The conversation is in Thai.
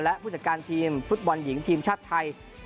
และผู้จัดการทีมฟุตบอลหญิงทีมชาติไทย